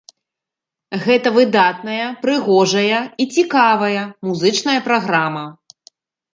Гэта выдатная, прыгожая і цікавая музычная праграма.